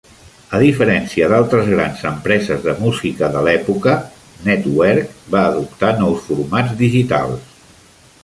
A diferència d'altres grans empreses de música de l'època, Nettwerk va adoptar nous formats digitals.